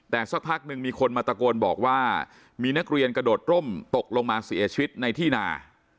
แต่สักพักหนึ่งมีคนมาตะโกนบอกว่ามีนักเรียนกระโดดร่มตกลงมาเสียชีวิตในที่นา